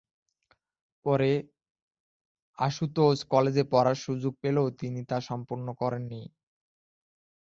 পরে আশুতোষ কলেজে পড়ার সুযোগ পেলেও তিনি তা সম্পূর্ণ করতে পারেননি।